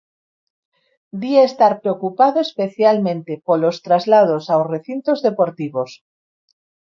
Di estar preocupado especialmente polos traslados aos recintos deportivos.